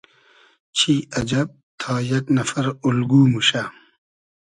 چی اجئب تا یئگ نئفر اولگو موشۂ